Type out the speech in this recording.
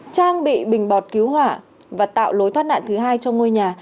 trang bị bình bọt cứu hỏa và tạo lối thoát nạn thứ hai cho ngôi nhà